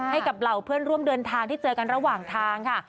เหล่าเพื่อนร่วมเดินทางที่เจอกันระหว่างทางค่ะ